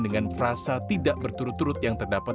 dengan frasa tidak berturut turut yang terdapat